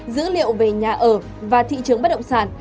dữ liệu về nhà ở và thị trường bất động sản